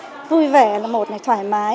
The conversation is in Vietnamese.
con hiểu diễn tiết mục nhảy hiện đại